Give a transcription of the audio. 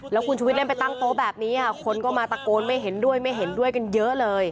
แล้วคุณชุวิตเล่นไปตั้งโต๊ะแบบนี้คนก็มาตะโกนไม่เห็นด้วยไม่เห็นด้วยกันเยอะเลย